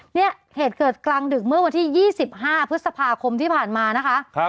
เนี่ยเหตุเกิดกลางดึกเมื่อวันที่๒๕พฤษภาคมที่ผ่านมานะคะ